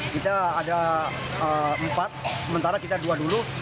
kita ada empat sementara kita dua dulu